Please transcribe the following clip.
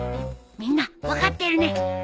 みんな分かってるね？